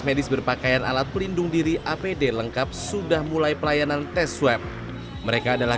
medis berpakaian alat pelindung diri apd lengkap sudah mulai pelayanan tes swab mereka adalah